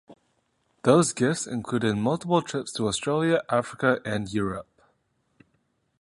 Those gifts included multiple trips to Australia, Africa and Europe.